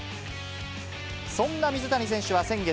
そんな水谷選手は先月、